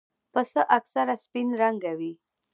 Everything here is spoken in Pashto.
پسه اکثره سپین رنګه وي.